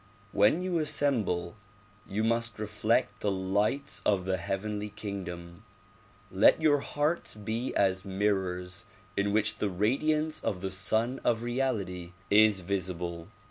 When you assemble you must reflect the lights of the heavenly kingdom. Let your hearts be as mirrors in which the radiance of the Sun of Reality is visible.